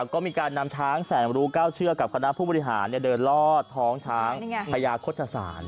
ก็มีการนำช้างแสนรู้๙เชือกกับคณะผู้บริหารเดินลอดท้องช้างพญาโฆษศาล